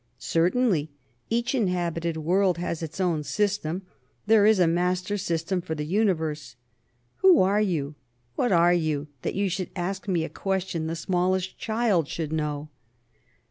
"Certainly. Each inhabited world has its own system. There is a master system for the Universe. Who are you, what are you, that you should ask me a question the smallest child should know?"